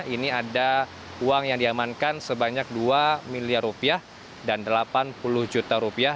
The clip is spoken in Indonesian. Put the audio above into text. ini ada uang yang diamankan sebanyak dua miliar rupiah dan delapan puluh juta rupiah